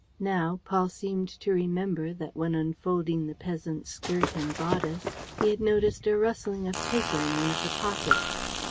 Now Paul seemed to remember that, when unfolding that peasant's skirt and bodice, he had noticed a rustling of paper in one of the pockets.